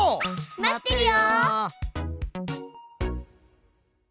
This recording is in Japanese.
待ってるよ！